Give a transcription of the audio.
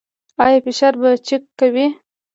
ایا فشار به چیک کوئ؟